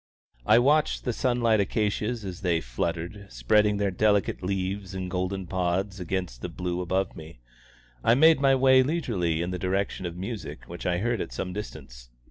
I watched the sunlit acacias as they fluttered, spreading their delicate leaves and golden pods against the blue above me. I made my way leisurely in the direction of music which I heard at some distance.